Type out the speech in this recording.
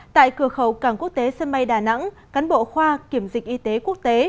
tại cửa khẩu cảng quốc tế sân bay đà nẵng cán bộ khoa kiểm dịch y tế quốc tế